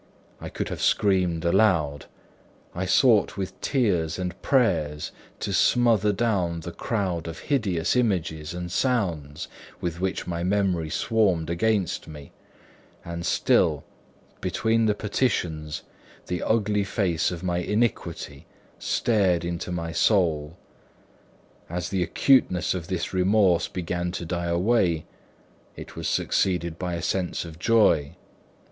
I could have screamed aloud; I sought with tears and prayers to smother down the crowd of hideous images and sounds with which my memory swarmed against me; and still, between the petitions, the ugly face of my iniquity stared into my soul. As the acuteness of this remorse began to die away, it was succeeded by a sense of joy.